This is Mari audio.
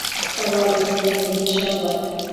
САВАР ВЕС ВЕЛНЕ ЙОЧА-ВЛАК